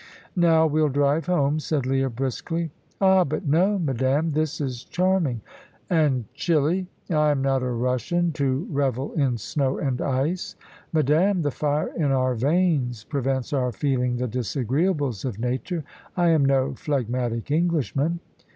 "Now we'll drive home," said Leah, briskly. "Ah, but no, madame. This is charming." "And chilly. I am not a Russian, to revel in snow and ice." "Madame, the fire in our veins prevents our feeling the disagreeables of nature. I am no phlegmatic Englishman."